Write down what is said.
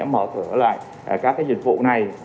mở cửa lại các cái dịch vụ này